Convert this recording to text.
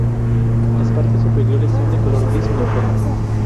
Las partes superiores son de color gris uniforme.